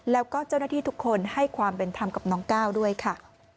แล้วก็เจ้าหน้าที่ทุกคนให้ความเป็นธรรมกับน้องก้าวด้วยค่ะ